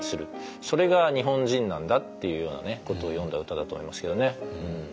それが日本人なんだっていうようなことを詠んだ歌だと思いますけどね。